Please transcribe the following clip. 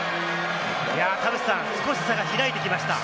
田臥さん、少し差が開いてきました。